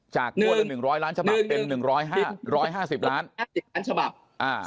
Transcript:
จากกลัวจาก๑๐๐ล้านฉบับเป็น๑๕๐ล้าน